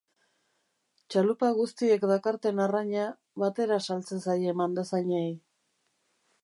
Txalupa guztiek dakarten arraina batera saltzen zaie mandazainei.